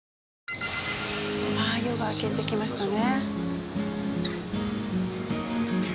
あっ夜が明けてきましたね。